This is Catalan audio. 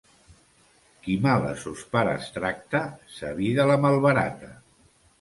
Qui mal a sos pares tracta, sa vida la malbarata.